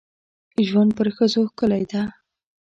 ژوند په ښځو ښکلی ده.